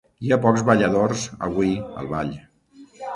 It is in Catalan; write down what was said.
Hi ha pocs balladors, avui, al ball.